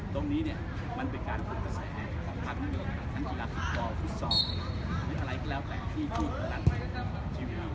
ตรงนี้มันเป็นการกระแสของพาร์มนิเวินขนานกีฬาภาคตุวอลสอง